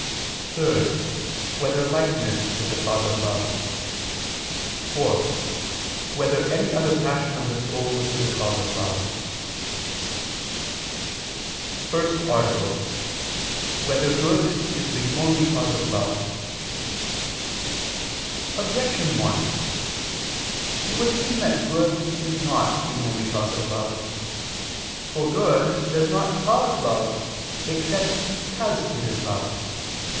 (3) Whether likeness is a cause of love? (4) Whether any other passion of the soul is a cause of love? ________________________ FIRST ARTICLE [I II, Q. 27, Art. 1] Whether Good Is the Only Cause of Love? Objection 1: It would seem that good is not the only cause of love. For good does not cause love, except because it is loved.